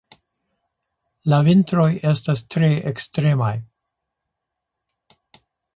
La vintroj estas tre ekstremaj.